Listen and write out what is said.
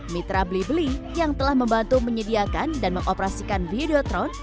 mitra blibli yang telah membantu menyediakan dan mengoperasikan videotron